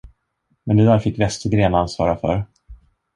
Men det där fick Vestergren ansvara för.